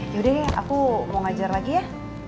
yaudah deh aku mau ngajar lagi ya